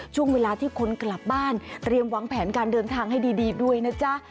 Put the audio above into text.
ช่วงเวลาที่คนกลับบ้านเตรียมวางแผนการเดินทางให้ดีด้วยนะจ๊ะ